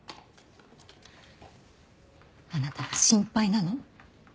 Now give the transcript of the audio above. あなたが心配なの。